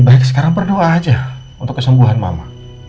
baik sekarang berdoa aja untuk kesembuhan mama